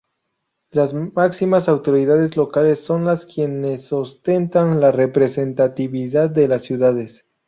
Las máximas autoridades locales son quienes ostentan la representatividad de las ciudades.